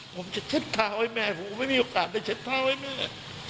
ผมจะเช็ดเท้าให้แม่ผมไม่มีโอกาสได้เช็ดผ้าให้แม่